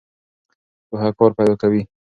پوهه کار پیدا کوي.